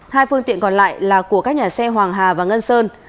hai phương tiện còn lại là của các nhà xe hoàng hà và ngân sơn